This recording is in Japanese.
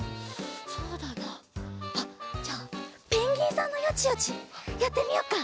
そうだなあっじゃあペンギンさんのヨチヨチやってみよっか。